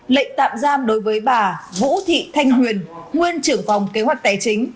lệnh tạm giam đối với bà vũ thị thanh huyền nguyên trưởng phòng kế hoạch tài chính